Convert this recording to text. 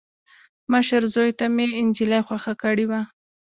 مشر زوي ته مې انجلۍ خوښه کړې وه.